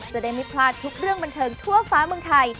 จะได้ไม่พลาดทุกเรื่องบันเทิงทั่วฟ้าเมืองไทย